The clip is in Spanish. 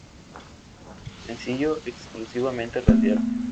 Sencillo exclusivamente radial.